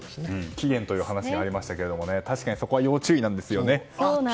期限という話がありましたが確かに、そこはそうなんです。